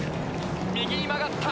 右に曲がった！